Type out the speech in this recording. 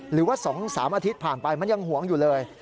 หรือว่า๒๓อาทิตย์ผ่านไปมันยังหวงอยู่เลย